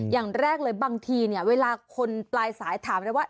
อย่างแรกเลยบางทีเนี่ยเวลาคนปลายสายถามเลยว่า